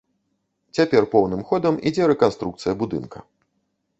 Цяпер поўным ходам ідзе рэканструкцыя будынка.